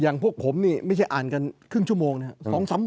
พวกผมนี่ไม่ใช่อ่านกันครึ่งชั่วโมงนะครับ